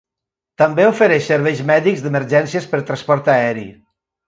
També ofereix serveis mèdics d'emergències per transport aeri.